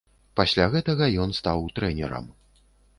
Пасля гэтага ён стаў трэнерам.